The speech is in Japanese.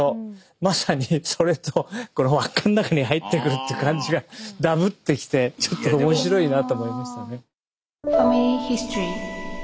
まさにそれとこの輪っかの中に入ってくるって感じがダブってきてちょっと面白いなと思いましたね。